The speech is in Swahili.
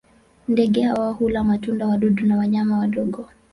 Ndege hawa hula matunda, wadudu na wanyama wadogo.